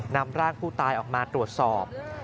นำร่างผู้ตายออกมาตรวจสอบ